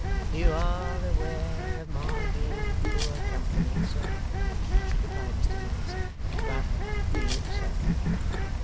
'You are aware of my being poor company, sir,' replied Mr Venus, 'but be it so.